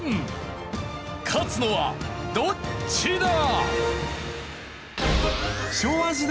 勝つのはどっちだ！？